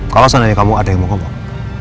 kalau seandainya kamu ada yang mau ngomong